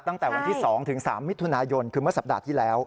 ตั้งแต่วันที่๒ถึง๓มิถุนายนคือเมื่อสัปดาห์ที่แล้ว